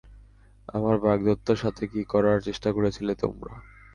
আমার বাগদত্তার সাথে কি করার চেষ্টা করছিলে তোমরা?